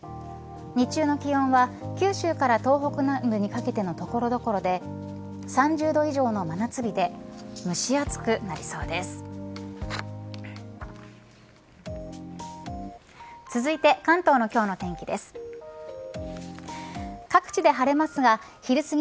日中の気温は九州から東北南部にかけての所々で３０度以上の真夏日で蒸し暑くなりそうです。